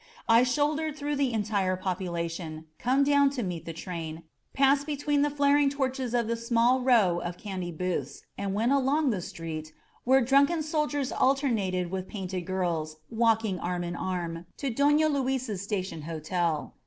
I shouldered through the entire population, come down to meet the train, passed between the flaring torches of the little row of candy booths, and went 161 INSURGENT MEXICO along the street, where drunken soldiers alternated with painted girls, walking arm in arm, to Dona Luisa's Station Hotel.